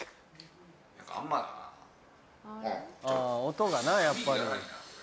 音がなやっぱり。